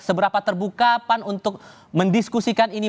seberapa terbuka pan untuk mendiskusikan ini